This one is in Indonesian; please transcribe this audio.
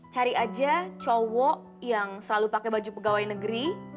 cari aja cowok yang selalu pakai baju pegawai negeri